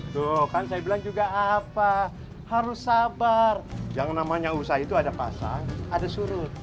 tuh kan saya bilang juga apa harus sabar yang namanya usaha itu ada pasang ada surut